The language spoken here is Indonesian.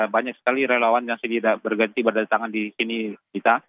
banyak sekali relawan yang tidak berganti berdatangan di sini kita